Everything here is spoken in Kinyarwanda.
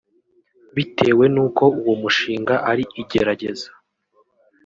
Bitewe n’uko uwo mushinga ari igerageza